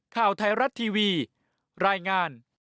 ข่าวไทยรัฐทีวีรายงาน